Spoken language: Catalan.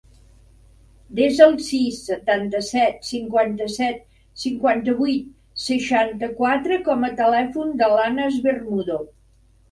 Desa el sis, setanta-set, cinquanta-set, cinquanta-vuit, seixanta-quatre com a telèfon de l'Anas Bermudo.